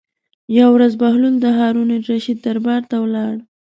یوه ورځ بهلول د هارون الرشید دربار ته ولاړ.